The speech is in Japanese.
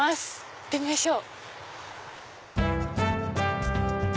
行ってみましょう！